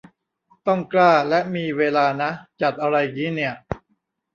ต้องกล้าและมีเวลานะ จัดอะไรงี้เนี่ย